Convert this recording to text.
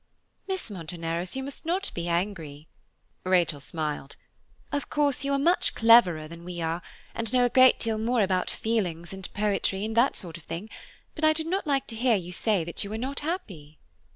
"Miss Monteneros, you must not be angry," Rachel smiled; "of course, you are much cleverer that we are, and know a great deal more about feelings, and poetry and that sort of thing; but I do not like to hear you say you are not happy."